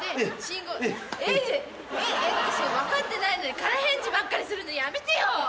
「ええ」って分かってないのに空返事ばっかりするのやめてよ！